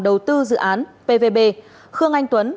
đầu tư dự án pvb khương anh tuấn